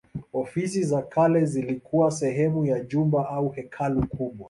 Ofisi za kale zilikuwa sehemu ya jumba au hekalu kubwa.